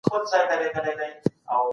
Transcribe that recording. که ګوندونه ملي سي هيواد په چټکۍ پرمختګ کوي.